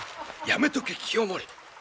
やめとけ清盛。